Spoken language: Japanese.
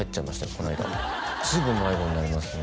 この間すぐ迷子になりますね